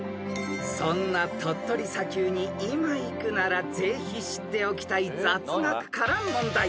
［そんな鳥取砂丘に今行くならぜひ知っておきたい雑学から問題］